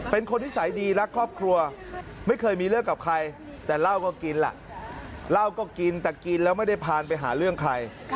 เป็นคนนิสัยดีรักครอบครัวไม่เคยมีเรื่องกับใครแต่เหล้าก็กินล่ะเหล้าก็กินแต่กินแล้วไม่ได้พานไปหาเรื่องใคร